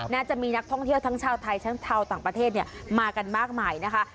จะมีนักท่องเที่ยวทั้งชาวไทยทั้งชาวต่างประเทศมากันมากมายนะคะ